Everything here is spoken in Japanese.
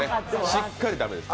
しっかり駄目ですね。